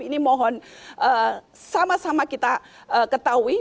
ini mohon sama sama kita ketahui